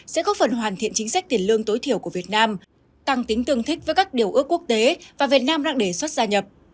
sẽ góp phần hoàn thiện chính sách tiền lương tối thiểu của việt nam tăng tính tương thích với các điều ước quốc tế và việt nam đang đề xuất gia nhập